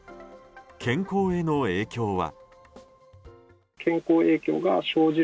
健康への影響は。